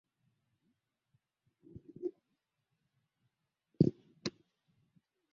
Aliongeza uzito na kuna wakati fulani alikuwa na kilogramu